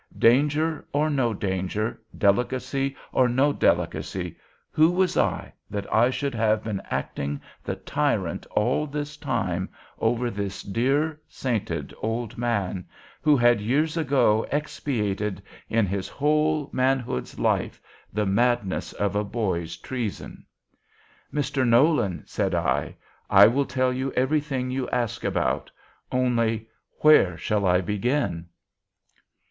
Danger or no danger, delicacy or no delicacy, who was I, that I should have been acting the tyrant all this time over this dear, sainted old man, who had years ago expiated, in his whole manhood's life, the madness of a boys treason? 'Mr. Nolan,' said I, 'I will tell you everything you ask about. Only, where shall I begin?'